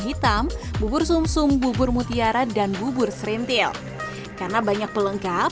hitam bubur sumsum bubur mutiara dan bubur serentil karena banyak pelengkap